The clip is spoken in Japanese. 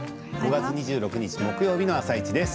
５月２６日木曜日の「あさイチ」です。